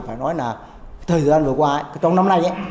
phải nói là thời gian vừa qua trong năm nay